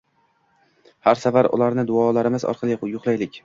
Har safar ularni duolarimiz orqali yo‘qlaylak.